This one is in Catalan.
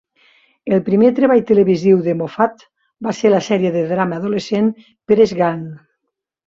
El primer treball televisiu de Moffat va ser la sèrie de drama adolescent "Press Gang".